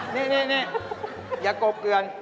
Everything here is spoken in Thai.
นี่อย่ากบเกลือน